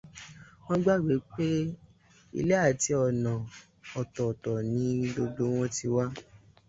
Wọ́n gbàgbé pé ilé àti ọ̀nà ọ̀tọ̀ọ̀tọ̀ ní gbogbo wọ́n ti wá.